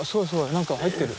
なんか入ってる。